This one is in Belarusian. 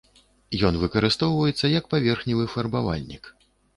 Ён выкарыстоўваецца як паверхневы фарбавальнік.